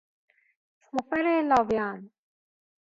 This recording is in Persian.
سفر لاویان